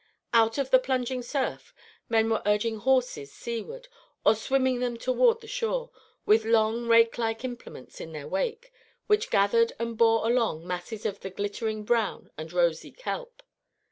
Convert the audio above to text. Out in the plunging surf men were urging horses seaward, or swimming them toward the shore, with long rake like implements in their wake, which gathered and bore along masses of the glittering brown and rosy kelp.